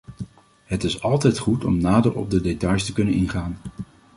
Het is altijd goed om nader op de details te kunnen ingaan.